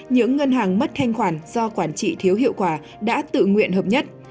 những ngân hàng mất thanh khoản do quản trị thiếu hiệu quả đã tự nguyện hợp nhất